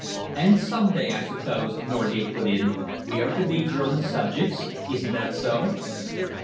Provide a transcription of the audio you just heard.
"And some day, I suppose," Norgate put in, "we are to be German subjects. Isn't that so?"